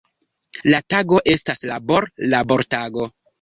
La tago estas labor-labortago.